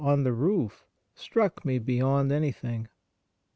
on the roof struck me beyond anything.'